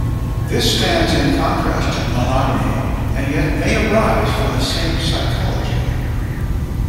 This stands in contrast to monogamy, and yet may arise from the same psychology.